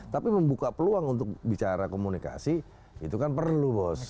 tapi membuka peluang untuk bicara komunikasi itu kan perlu bos